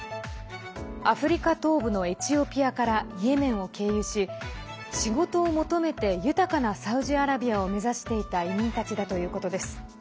アフリカ東部のエチオピアからイエメンを経由し仕事を求めて豊かなサウジアラビアを目指していた移民たちだということです。